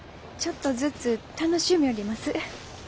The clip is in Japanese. ちょっとずつ楽しみょうります。